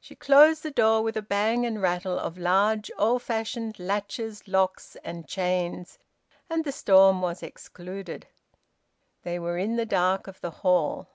She closed the door with a bang and rattle of large old fashioned latches, locks, and chains, and the storm was excluded. They were in the dark of the hall.